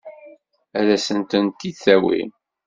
Ad asent-tent-id-tawim?